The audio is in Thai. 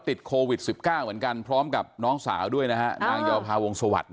ติดโควิดสิบเก้าเหมือนกันพร้อมกับน้องสาวด้วยน่างเยวพาวงสวัสด